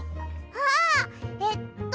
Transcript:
ああえっと。